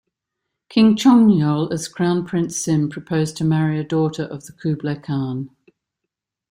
King Chungnyeol, as Crown Prince Sim, proposed to marry a daughter of Kublai Khan.